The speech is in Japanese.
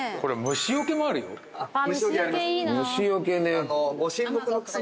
虫よけね。